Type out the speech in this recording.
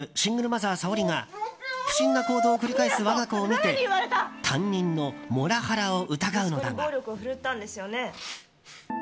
安藤さん演じるシングルマザー、早織が不審な行動を繰り返す我が子を見て担任のモラハラを疑うのだが。